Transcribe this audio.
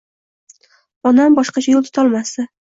Onam boshqacha yoʻl tutolmasdi.